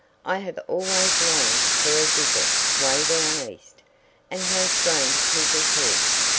I have always longed for a visit 'way down east.' And how strange people talk!